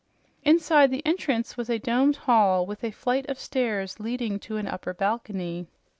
Inside the entrance was a domed hall with a flight of stairs leading to an upper balcony.